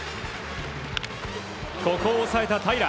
ここを抑えた平良。